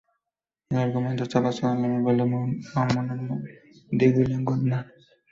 El argumento está basado en la novela homónima de William Goldman.